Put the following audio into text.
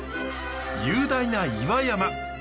雄大な岩山。